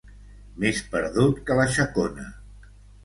Més perdut que la Xacona.